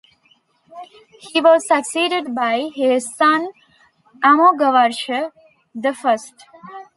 He was succeeded by his son Amoghavarsha the First.